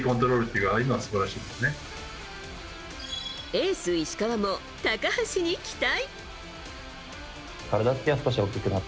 エース石川も高橋に期待。